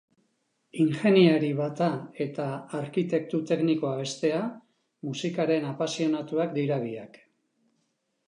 Ingeniari bata eta arkitektu teknikoa bestea, musikaren apasionatuak dira biak.